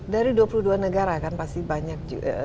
dari dua puluh dua negara kan pasti banyak